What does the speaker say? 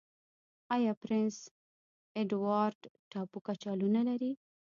آیا پرنس اډوارډ ټاپو کچالو نلري؟